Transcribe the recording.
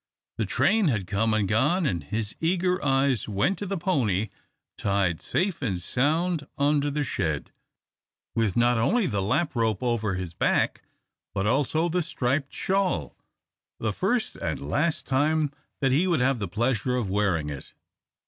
The train had come and gone, and his eager eyes went to the pony tied safe and sound under the shed, with not only the lap robe over his back, but also the striped shawl the first and last time that he would have the pleasure of wearing it.